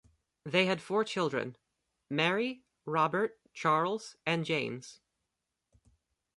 They had four children-Mary, Robert, Charles and James.